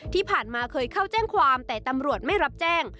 ที่ผ่านมาเคยเข้าแจ้งความแต่ตำรวจไม่รับแจ้ง